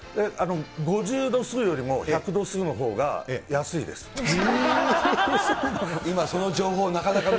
５０度数よりも１００度数のほうそうなの？